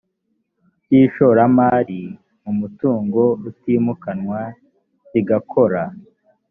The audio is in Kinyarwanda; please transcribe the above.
cy ishoramari mu mutungo utimukanwa kigakora